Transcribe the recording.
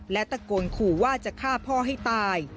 และตะโกนขู่ว่าจะฆ่าพ่อให้ตาย